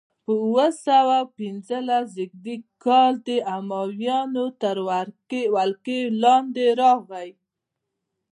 په اووه سوه پنځلسم زېږدیز کال د امویانو تر ولکې لاندې راغي.